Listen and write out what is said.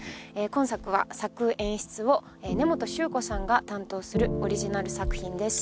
今作は作・演出を根本宗子さんが担当するオリジナル作品です